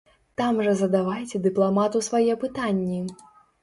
Там жа задавайце дыпламату свае пытанні!